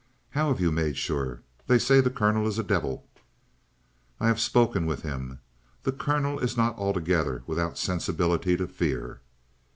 "How have you made sure? They say the colonel is a devil." "I have spoken with him. The colonel is not altogether without sensibility to fear."